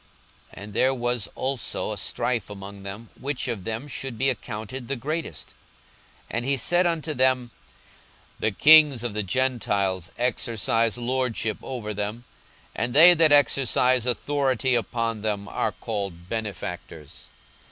42:022:024 And there was also a strife among them, which of them should be accounted the greatest. 42:022:025 And he said unto them, The kings of the Gentiles exercise lordship over them; and they that exercise authority upon them are called benefactors.